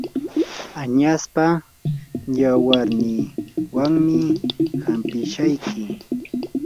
añaspa yawarninwanmi hanpishayki.